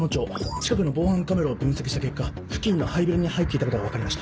近くの防犯カメラを分析した結果付近の廃ビルに入っていたことが分かりました。